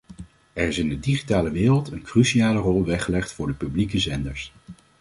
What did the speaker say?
Er is in de digitale wereld een cruciale rol weggelegd voor de publieke zenders.